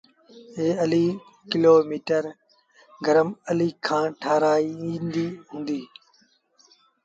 ايٚ ڪلو ميٚر ڪرم اليٚ کآݩ ٺآرآيآݩدي هُݩدي۔